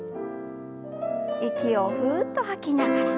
息をふっと吐きながら。